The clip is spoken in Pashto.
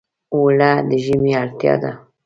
اوړه د ژمي اړتیا ده